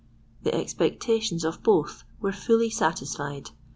The expectations of both were fully satisfied.